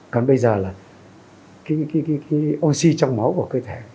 còn bây giờ là những oxy trong máu của cơ thể